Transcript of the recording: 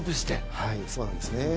はいそうなんですね。